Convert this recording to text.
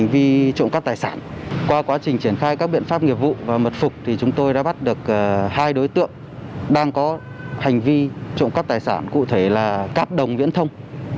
và mật phục thì chúng tôi đã bắt được hai đối tượng đang có hành vi trộm cắt tài sản cụ thể là cắp đồng viễn thông